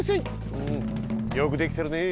うんよくできてるね。